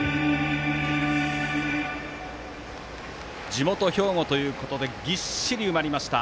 地元・兵庫ということでぎっしり埋まりました